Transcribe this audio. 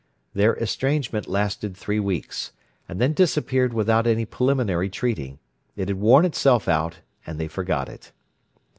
Their estrangement lasted three weeks, and then disappeared without any preliminary treaty: it had worn itself out, and they forgot it.